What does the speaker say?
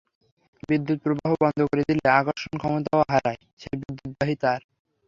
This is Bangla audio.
বিদ্যুৎ–প্রবাহ বন্ধ করে দিলে আকর্ষণক্ষমতাও হারায় সেই বিদ্যুৎবাহী তার।